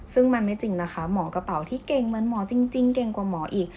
ซึ่งมันไม่จริงนะคะหมอกระเป๋าที่เก่งเหมือนหมอจริงเก่งกว่าหมออีก